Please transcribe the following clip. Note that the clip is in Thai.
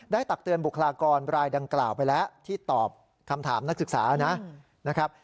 ตักเตือนบุคลากรรายดังกล่าวไปแล้วที่ตอบคำถามนักศึกษานะครับ